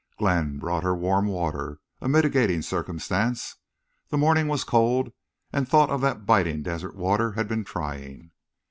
Glenn brought her warm water, a mitigating circumstance. The morning was cold and thought of that biting desert water had been trying.